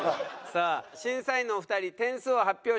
さあ審査員のお二人点数を発表してください。